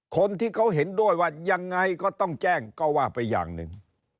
คนที่เขาเห็นด้วยว่ายังไงก็ต้องแจ้งก็ว่าไปอย่างหนึ่ง